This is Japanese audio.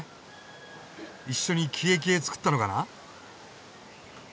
一緒にキエキエ作ったのかな。